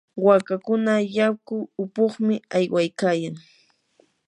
waakakuna yaku upuqmi aywaykayan.